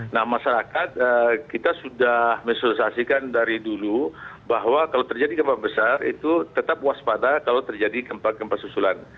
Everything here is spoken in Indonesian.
nah masyarakat kita sudah mensosialisasikan dari dulu bahwa kalau terjadi gempa besar itu tetap waspada kalau terjadi gempa gempa susulan